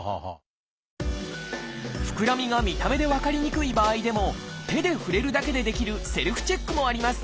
ふくらみが見た目で分かりにくい場合でも手で触れるだけでできるセルフチェックもあります。